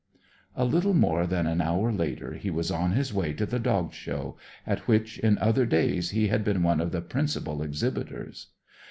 A little more than an hour later he was on his way to the Dog Show, at which, in other days, he had been one of the principal exhibitors.